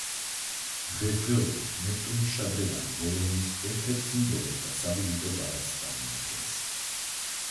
დღესდღეობით ნეპტუნის შადრევანი, ბოლონიის ერთ-ერთ სიმბოლოს და სავიზიტო ბარათს წარმოადგენს.